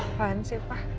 apaan sih pak